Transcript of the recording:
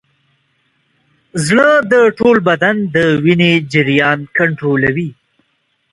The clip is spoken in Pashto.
زړه د ټول بدن د وینې جریان کنټرولوي.